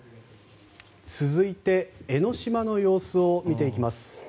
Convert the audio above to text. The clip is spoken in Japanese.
続いて、江の島の様子を見ていきます。